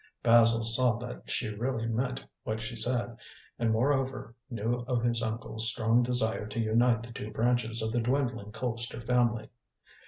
Basil saw that she really meant what she said, and, moreover, knew of his uncle's strong desire to unite the two branches of the dwindling Colpster family.